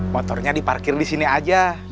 motornya diparkir disini aja